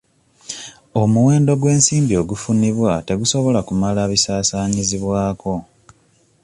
Omuwendo gw'ensimbi ogufunibwa tegusobola kumala bisaasaanyizibwako.